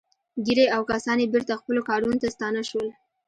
ګیري او کسان یې بېرته خپلو کارونو ته ستانه شول